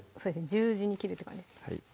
十字に切るって感じですね